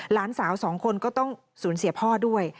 หลานสาวสองคนก็ต้องสูญเสียพ่อด้วย